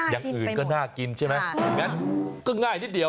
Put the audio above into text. อย่างอื่นก็น่ากินใช่ไหมงั้นก็ง่ายนิดเดียว